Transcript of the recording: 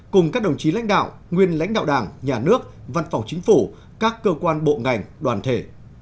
cùng các đồng chí lãnh đạo nguyên lãnh đạo đảng nhà nước văn phòng chính phủ các cơ quan bộ ngành đoàn thể